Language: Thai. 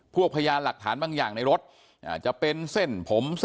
พวกพญานหลักฐานบางอย่างในรถอ่าจะเป็นเส้นผม